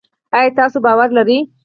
آیا تاسو باور لرئ؟